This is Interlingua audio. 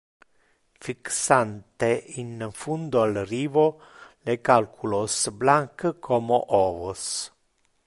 Fixante in fundo al rivo le calculos blanc como ovos.